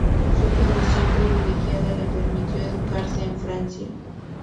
Su condición privilegiada le permitió educarse en Francia.